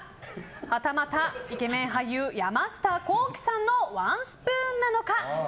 はたまた、イケメン俳優山下幸輝さんのワンスプーンなのか。